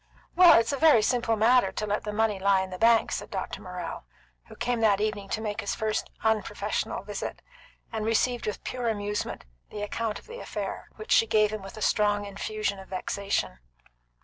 "Well, it's a very simple matter to let the money lie in the bank," said Dr. Morrell, who came that evening to make his first unprofessional visit, and received with pure amusement the account of the affair, which she gave him with a strong infusion of vexation.